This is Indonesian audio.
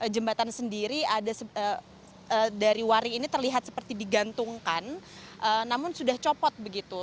jembatan sendiri ada dari waring ini terlihat seperti digantungkan namun sudah copot begitu